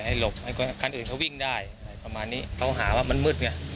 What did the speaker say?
ให้หลบให้คนอื่นเขาวิ่งได้ประมาณนี้เขาหาว่ามันมืดเนี่ย